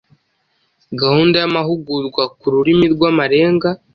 gahunda y’amahugurwa ku rurimi rw’amarenga